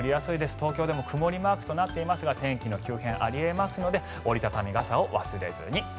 東京でも曇りマークとなっていますが天気の急変、あり得ますので折り畳み傘を忘れずに。